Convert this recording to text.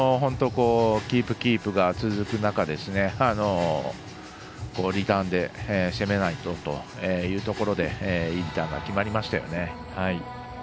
キープキープが続く中でリターンで攻めないとというところでいいリターンが決まりましたよね。